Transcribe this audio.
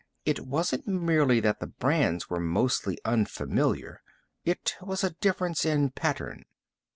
It wasn't merely that the brands were mostly unfamiliar; it was a difference in pattern.